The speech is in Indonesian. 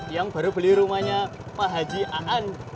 yang baru beli rumahnya pak haji aan